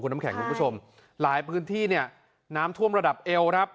น้ำแข็งคุณผู้ชมหลายพื้นที่เนี่ยน้ำท่วมระดับเอวครับ